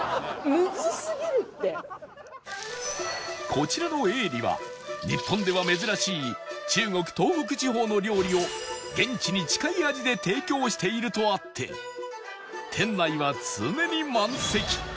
こちらの永利は日本では珍しい中国東北地方の料理を現地に近い味で提供しているとあって店内は常に満席